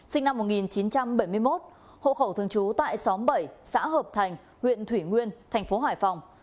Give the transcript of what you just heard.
sinh năm một nghìn chín trăm bảy mươi một hộ khẩu thường trú tại xóm bảy xã hợp thành huyện thủy nguyên thành phố hải phòng